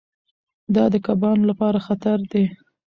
دا د کبانو لپاره خطر دی.